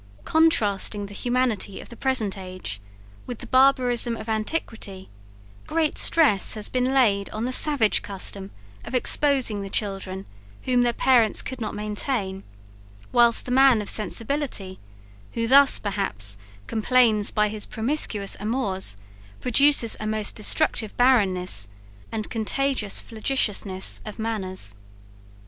Contrasting the humanity of the present age with the barbarism of antiquity, great stress has been laid on the savage custom of exposing the children whom their parents could not maintain; whilst the man of sensibility, who thus, perhaps, complains, by his promiscuous amours produces a most destructive barrenness and contagious flagitiousness of manners.